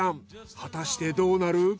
果たしてどうなる？